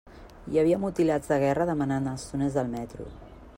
Hi havia mutilats de guerra demanant als túnels del metro.